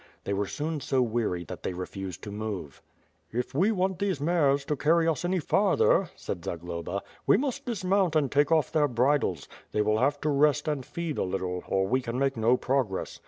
They were soon so weary that they refused to move. "If we want these mares to carry us any farther," said Zag loba, "we must dismount and take off their bridles. They will have to rest and feed a little, or we can make no progress.